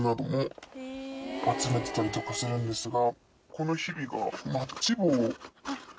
集めてたりとかするんですが。